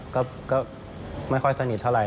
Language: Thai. คือไม่ค่อยสนิทเท่าไหร่